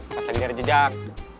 pas lagi nyari jejak